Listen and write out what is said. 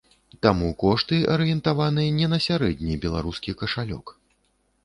Таму кошты арыентаваны не на сярэдні беларускі кашалёк.